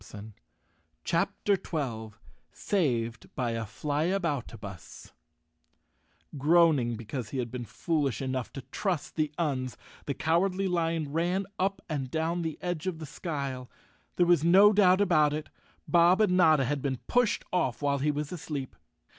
156 CHAPTER 12 Saved by a Flyaboutabus G ROANING because he had been foolish enough to trust the Uns, the Cowardly Lion ran up and down the edge of the skyle. There was no doubt about it, Bob and Notta had been pushed off while he was asleep.